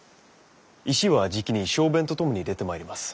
石はじきに小便と共に出てまいります。